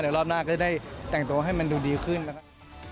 รอบหน้าก็ได้แต่งตัวให้มันดูดีขึ้นนะครับ